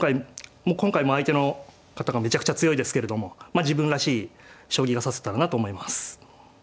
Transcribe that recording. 今回も相手の方がめちゃくちゃ強いですけれどもまあ自分らしい将棋が指せたらなと思います。